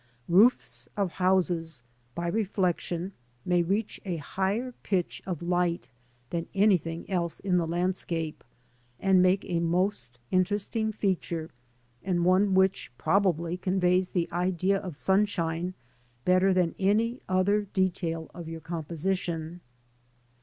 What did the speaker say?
Roofs of houses by reflection may reach a higher pitch of light than anything else in the landscape, and make a most interesting feature, and one which probably conveys the idea of sunshine better than any other detail of your composition.